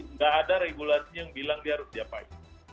tidak ada regulasi yang bilang dia harus siapai